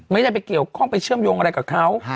ไม่ได้ไปเกี่ยวข้องไปเชื่อมโยงอะไรกับเขา